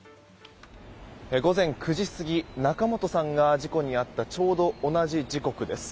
午前９時過ぎ仲本さんが事故に遭ったちょうど同じ時刻です。